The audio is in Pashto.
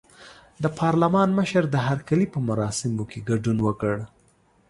د پارلمان مشر د هرکلي په مراسمو کې ګډون وکړ.